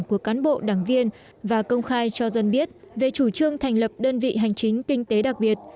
của cán bộ đảng viên và công khai cho dân biết về chủ trương thành lập đơn vị hành chính kinh tế đặc biệt